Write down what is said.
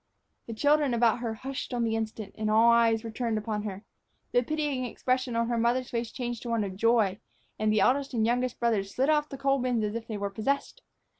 The children about her hushed on the instant, and all eyes were turned upon her. The pitying expression on her mother's face changed to one of joy, and the eldest and the youngest brothers slid off the coal bins as if they were possessed.